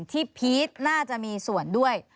พีชน่าจะมีส่วนด้วย